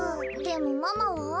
でもママは？